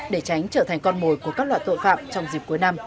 để tránh trở thành con mồi của các loại tội phạm trong dịp cuối năm